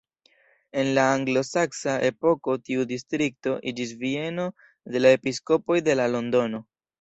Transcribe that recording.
En la anglo-saksa epoko tiu distrikto iĝis bieno de la episkopoj de Londono.